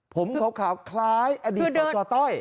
ผมขาวคล้ายอดีตศาสตร์ต้อย